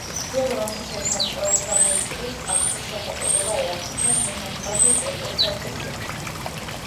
ძველ რომში შეიქმნა წელთაღრიცხვის ათვლის სახელწოდება ერა, რაც ნიშნავს „ათვლის წერტილს“, „საწყის ციფრს“.